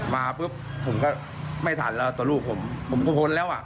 มาปุ๊บผมก็ไม่ทันแล้วตัวลูกผมผมก็พ้นแล้วอ่ะ